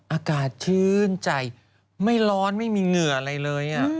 อากาศชื่นใจไม่ร้อนไม่มีเหงื่ออะไรเลย